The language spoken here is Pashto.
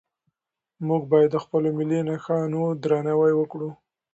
موږ باید د خپلو ملي نښانو درناوی وکړو.